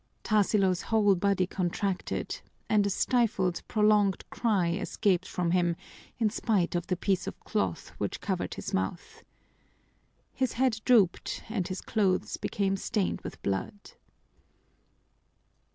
Tarsilo's whole body contracted, and a stifled, prolonged cry escaped from him in spite of the piece of cloth which covered his mouth. His head drooped and his clothes became stained with blood.